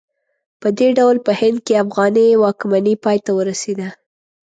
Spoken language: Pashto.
په دې ډول په هند کې افغاني واکمنۍ پای ته ورسېده.